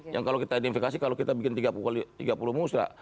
yang kalau kita identifikasi kalau kita bikin tiga puluh musra